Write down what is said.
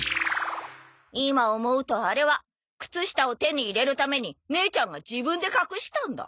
今思うとあれは靴下を手に入れるために姉ちゃんが自分で隠したんだ。